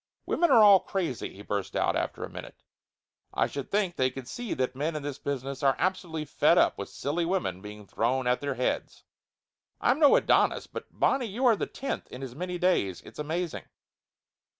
"Women are all crazy !" he burst out after a minute. "I should think they could see that men in this business are absolutely fed up with silly women being thrown at their heads ! I'm no Adonis, but, Bonnie, you are the tenth, in as many days! It's amazing!"